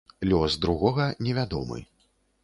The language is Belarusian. Лёс другога не вядомы.